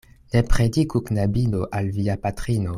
Ne prediku knabino al via patrino.